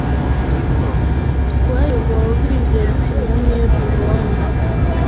Twayobowe Kwizera Ikinyoma Iyo tubonye